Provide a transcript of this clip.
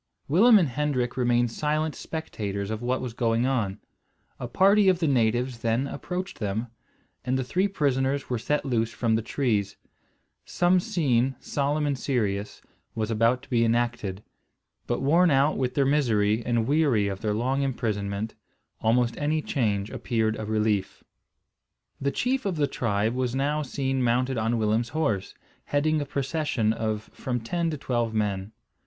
Willem and Hendrik remained silent spectators of what was going on. A party of the natives then approached them, and the three prisoners were set loose from the trees. Some scene, solemn and serious, was about to be enacted; but worn out with their misery, and weary of their long imprisonment, almost any change appeared a relief. The chief of the tribe was now seen mounted on Willem's horse, heading a procession of from ten to twelve men.